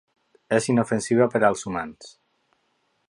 És inofensiva per als humans.